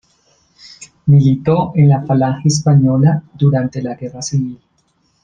Militó en la Falange Española durante la Guerra Civil.